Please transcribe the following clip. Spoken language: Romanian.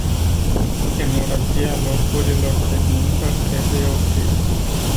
Hemoragia locurilor de muncă trebuie oprită.